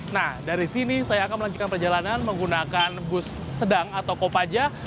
nah dari sini saya akan melanjutkan perjalanan menggunakan bus sedang atau kopaja